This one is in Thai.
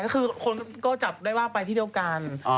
ก็คือคนก็จับได้ว่าไปที่เดียวกัน